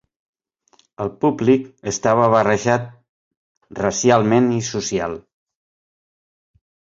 El públic estava barrejat racialment i social.